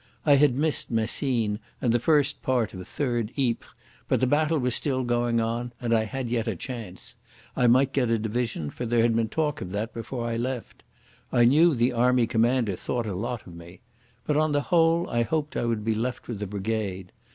I had missed Messines and the first part of Third Ypres, but the battle was still going on, and I had yet a chance. I might get a division, for there had been talk of that before I left. I knew the Army Commander thought a lot of me. But on the whole I hoped I would be left with the brigade.